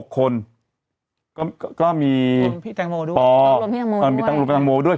๖คนก็มีป๋อมรมพี่แรงโมด้วย